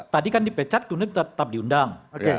tadi kan dipecat kemudian tetap diundang